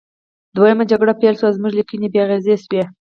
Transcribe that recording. دویمه جګړه پیل شوه او زموږ لیکنې بې اغیزې وې